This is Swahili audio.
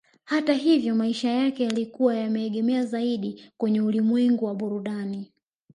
Hata hivyo maisha yake yalikuwa yameegemea zaidi kwenye ulimwengu wa burudani